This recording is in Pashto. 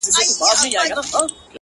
په ټوله کلي کي د دوو خبرو څوک نه لري;